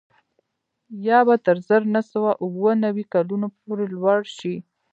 یا به تر زر نه سوه اووه نوي کلونو پورې لوړ شي